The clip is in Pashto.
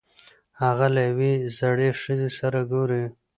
هغه له یوې زړې ښځې سره ګوري.